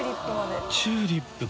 チューリップまで。